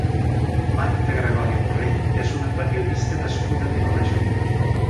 Magda Gregori Borrell és una periodista nascuda a Vilamajor.